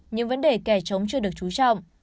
nhưng vấn đề kẻ chống chưa được trú trọng